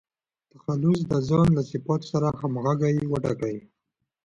تخلص د ځان له صفاتو سره همږغي وټاکئ.